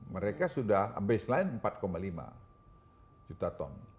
mereka sudah baseline empat lima juta ton